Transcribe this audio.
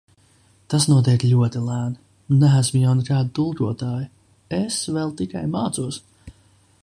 Tas notiek ļoti lēni. Neesmu jau nekāda tulkotāja. Es vēl tikai mācos.